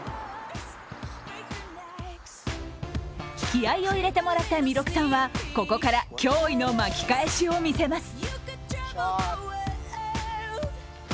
気合いを入れてもらった弥勒さんは、ここから驚異の巻き返しを見せます。